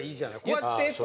こうやってとか。